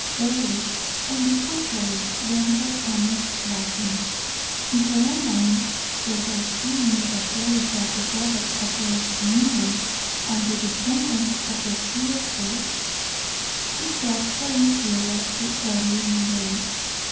Earle, on the contrary, won her honest liking. In her own mind, although she knew that Doris was the daughter of Lord Linleigh, and the descendant of the Herefords, she thought her inferior to Earle Moray.